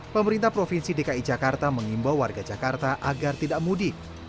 pemerintah provinsi dki jakarta mengimbau warga jakarta agar tidak mudik